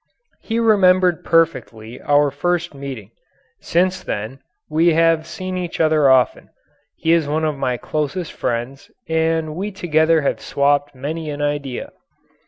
He remembered perfectly our first meeting. Since then we have seen each other often. He is one of my closest friends, and we together have swapped many an idea.